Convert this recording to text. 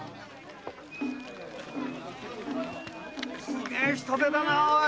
すげえ人出だなおい！